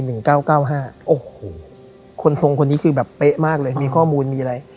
โอ้โหคนทรงคนนี้คือแบบเป๊ะมากเลยมีข้อมูลมีอะไร